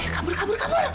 kabur kabur kabur